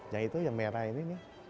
ya itu yang merah ini nih